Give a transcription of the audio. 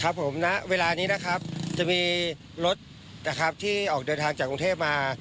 ผมณเวลานี้นะครับจะมีรถนะครับที่ออกเดินทางจากกรุงเทพมา